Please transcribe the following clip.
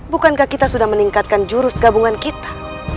bukankah kita sudah meningkatkan jurus gabungan kita